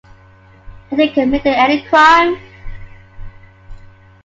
Had he committed any crime?